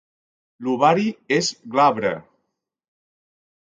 L'ovari és glabre.